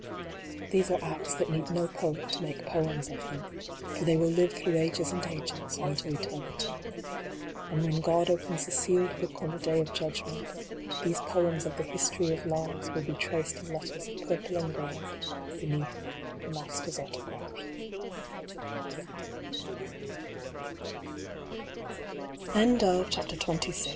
These are acts that need no Poet to make poems of them ; for they will live through ages and ages, on to Eternity. And when God opens the sealed book on the Day of Judgment, these poems of the history of lives will be traced in letters of purple and gold, beneath the